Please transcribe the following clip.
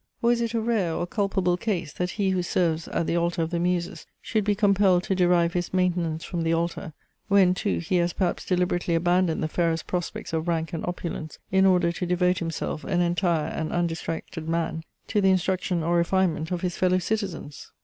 Or is it a rare, or culpable case, that he who serves at the altar of the Muses, should be compelled to derive his maintenance from the altar, when too he has perhaps deliberately abandoned the fairest prospects of rank and opulence in order to devote himself, an entire and undistracted man, to the instruction or refinement of his fellow citizens?